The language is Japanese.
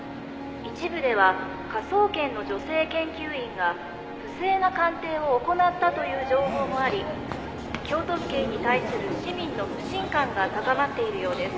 「一部では科捜研の女性研究員が不正な鑑定を行ったという情報もあり京都府警に対する市民の不信感が高まっているようです」